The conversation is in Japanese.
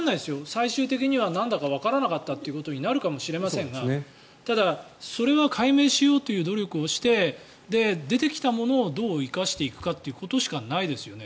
最終的にはなんだかわからなかったということになるかもしれませんがただ、それは解明しようという努力をして出てきたものをどう生かしていくかということしかないですよね。